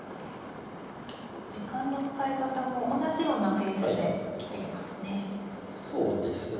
時間の使い方も同じようなペースで来ていますね。